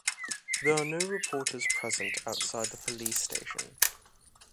There are no reporters present outside the police station.